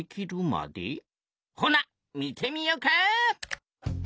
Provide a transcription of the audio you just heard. ほな見てみよか！